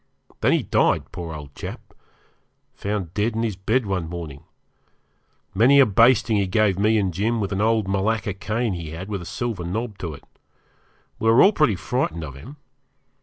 Then he died, poor old chap found dead in his bed one morning. Many a basting he gave me and Jim with an old malacca cane he had with a silver knob to it. We were all pretty frightened of him.